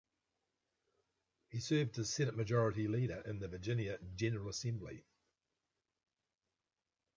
He served as Senate Majority Leader in the Virginia General Assembly.